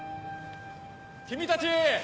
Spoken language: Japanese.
君たち！